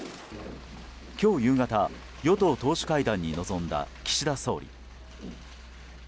今日夕方、与党党首会談に臨んだ岸田総理。